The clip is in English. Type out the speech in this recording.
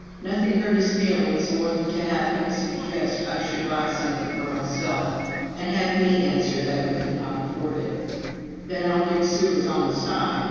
Nothing hurt his feelings more than to have him suggest I should buy something for myself, and have me answer that we could not afford it. "Then I'll dig sewers on the side!"